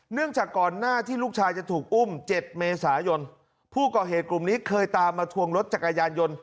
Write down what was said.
จากก่อนหน้าที่ลูกชายจะถูกอุ้ม๗เมษายนผู้ก่อเหตุกลุ่มนี้เคยตามมาทวงรถจักรยานยนต์